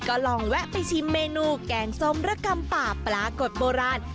ก็ลองแวะไปชิมเมนูแกงส้มระกำป่าปลากดโบราณ